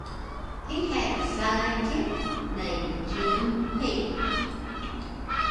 He had a sidekick named Jim Peyton.